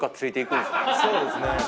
そうですね。